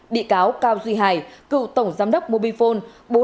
bị cáo cao duy hải cựu tổng giám đốc mobifone